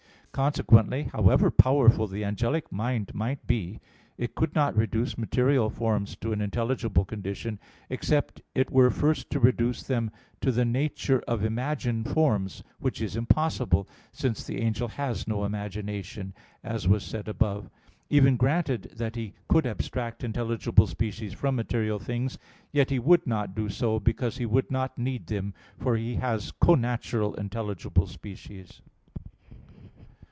Consequently, however powerful the angelic mind might be, it could not reduce material forms to an intelligible condition, except it were first to reduce them to the nature of imagined forms; which is impossible, since the angel has no imagination, as was said above (Q. 54, A. 5). Even granted that he could abstract intelligible species from material things, yet he would not do so; because he would not need them, for he has connatural intelligible species.